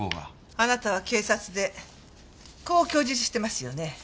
あなたは警察でこう供述してますよね。